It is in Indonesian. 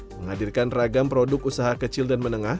menghadirkan ragam produk usaha kecil dan menengah